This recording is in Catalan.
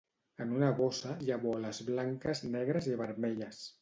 En una bossa hi ha boles blanques, negres i vermelles